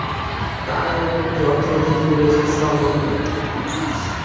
তার এ রেকর্ডটি অদ্যাবধি টিকে রয়েছে স্ব-মহিমায়।